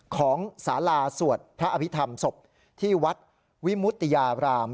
ของสาราสวดพระอภิษฐรรมศพที่วัดวิมุติยาราม